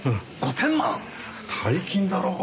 大金だろう？